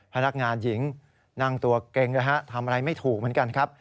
พนักงานหญิงนั่งตัวเกร็งทำอะไรไม่ถูกเหมือนกันครับ